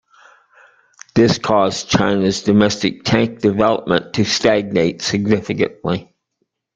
This caused China's domestic tank development to stagnate significantly.